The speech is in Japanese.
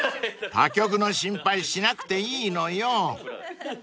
［他局の心配しなくていいのよ］